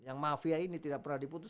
yang mafia ini tidak pernah diputus